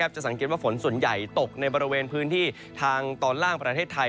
จะสังเกตว่าฝนส่วนใหญ่ตกในบริเวณพื้นที่ทางตอนล่างประเทศไทย